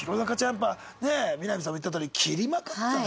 やっぱねみな実さんも言ったとおり斬りまくってたね。